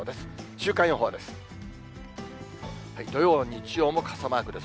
週間予報です。